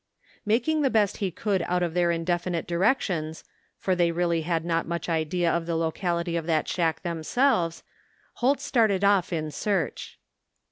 Making the best he could out of their mdefinite directions, for they really had not much idea of the locality of that shack themselves, Holt started off in search.